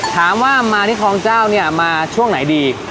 ถามว่ามาที่คลองเจ้าเนี่ยมาช่วงไหนดี